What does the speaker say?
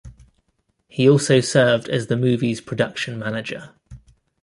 He also served as the movie's production manager.